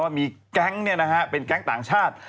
มีแก๊งเป็นแก๊งต่างชาติ